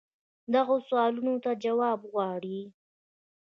دغو سوالونو ته جواب غواړي.